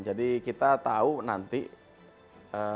jadi kita tahu nanti kita mengembangkan base map